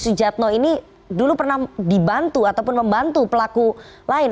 agus chadno ini dulu pernah dibantu atau membantu pelaku lain